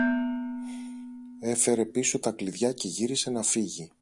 έφερε πίσω τα κλειδιά και γύρισε να φύγει.